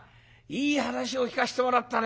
いい話を聞かせてもらったね。